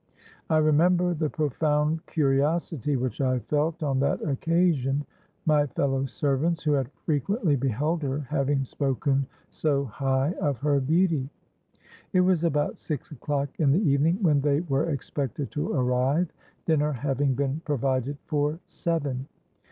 I remember the profound curiosity which I felt on that occasion, my fellow servants, who had frequently beheld her, having spoken so high of her beauty. It was about six o'clock in the evening when they were expected to arrive, dinner having been provided for seven.